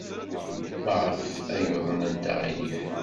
Maɣef ay uḍnent aɣilif?